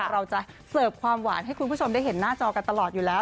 เราจะเสิร์ฟความหวานให้คุณผู้ชมได้เห็นหน้าจอกันตลอดอยู่แล้ว